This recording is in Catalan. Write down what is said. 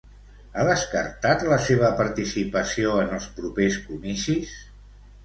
Ha descartat la seva participació en els propers comicis?